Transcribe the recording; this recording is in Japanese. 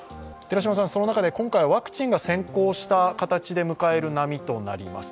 その中で、今回、ワクチンが先行した形で迎える波となります。